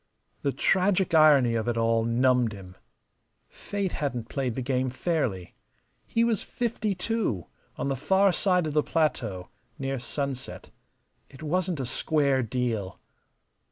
The tragic irony of it all numbed him. Fate hadn't played the game fairly. He was fifty two, on the far side of the plateau, near sunset. It wasn't a square deal.